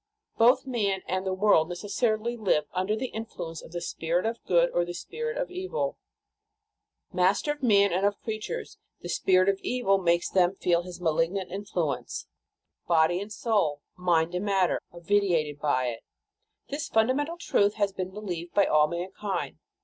Both man and the world necessarily live under the influence of the Spirit of good or the Spirit of evil. Master of man and of creatures, the Spirit of evil makes them feel his malignant influence ; body and soul, mind and matter are vitiated by it. This funda mental truth has been believed by all mankind.